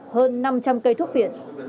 hơn năm trăm linh cây thuốc phiện